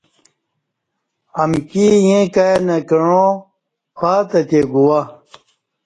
امکی ییں کائ نہ کعاں پاتہتے گواہ